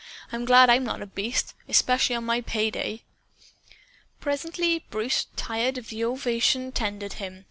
"I'm glad I'm not a beast especially on pay day." Presently Bruce tired of the ovation tendered him.